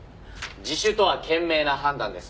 自首とは賢明な判断です。